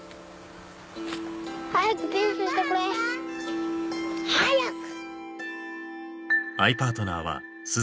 早くピースしてくれ早く！